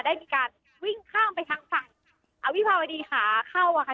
ได้มีการวิ่งข้ามไปทางฝั่งอวิภาวดีขาเข้าอะค่ะ